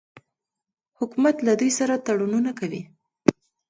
حکومت له دوی سره تړونونه کوي.